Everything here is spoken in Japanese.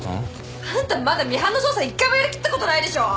あんたまだミハンの捜査一回もやりきったことないでしょ！